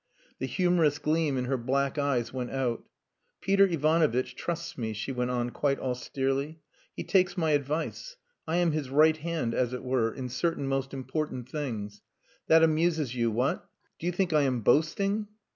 The humorous gleam in her black eyes went out. "Peter Ivanovitch trusts me," she went on, quite austerely. "He takes my advice. I am his right hand, as it were, in certain most important things.... That amuses you what? Do you think I am boasting?"